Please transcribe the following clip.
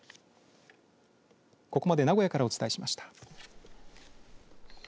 ここまで名古屋からお伝えしました。